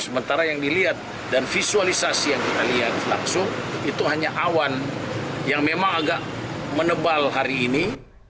sementara yang dilihat dan visualisasi yang kita lihat langsung itu hanya awan yang memang agak menebal hari ini